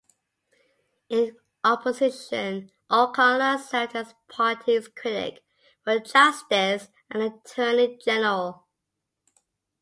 In opposition, O'Connor served as his party's critic for Justice and the Attorney General.